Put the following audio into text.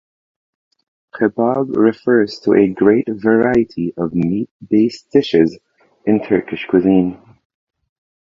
"Kebab" refers to a great variety of meat-based dishes in Turkish cuisine.